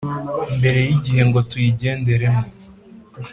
mbere y igihe u ngo tuyigenderemo